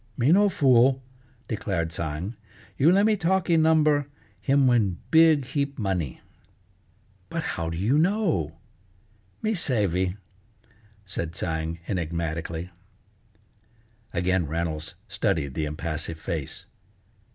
"Me no fool," declared Tsang. "You le' me talkee number, him win big heap money." "But how do you know?" "Me savey," said Tsang enigmatically. Again Reynolds studied the impassive face.